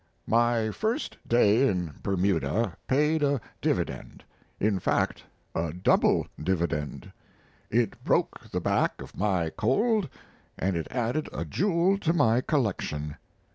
My first day in Bermuda paid a dividend in fact a double dividend: it broke the back of my cold and it added a jewel to my collection.